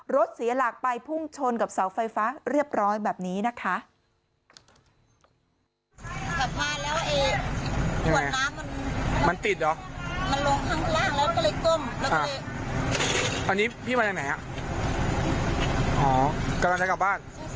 รถเสียหลักไปพุ่งชนกับเสาไฟฟ้าเรียบร้อยแบบนี้นะคะ